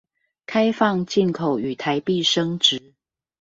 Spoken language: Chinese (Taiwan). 開放進口與台幣升值